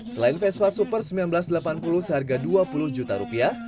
selain vespa super seribu sembilan ratus delapan puluh seharga dua puluh juta rupiah